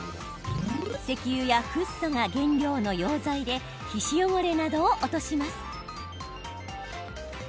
石油やフッ素が原料の溶剤で皮脂汚れなどを落とします。